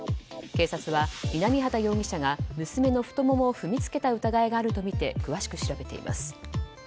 警察は南畑容疑者が娘の太ももを踏みつけた疑いがあるとみて詳しく調べています。